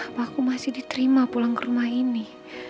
apa aku masih diterima pulang ke rumah ini